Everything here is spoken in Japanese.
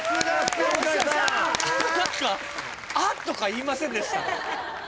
何か「あっ」とか言いませんでした？